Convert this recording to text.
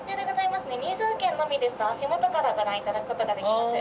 入場券のみですと足元からご覧いただくことができます。